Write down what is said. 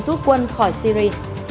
đưa quân khỏi syri